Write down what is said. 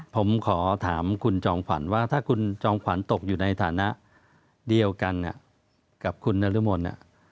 ผมขอถามคุณจอมขวัญว่าถ้าคุณจอมขวัญตกอยู่ในฐานะเดียวกันกับคุณนรมน